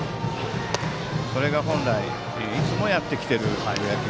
それが本来いつもやってきている野球。